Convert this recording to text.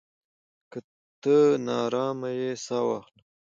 که ته ناارام يې، ساه واخله.